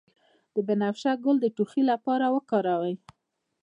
د بنفشه ګل د ټوخي لپاره وکاروئ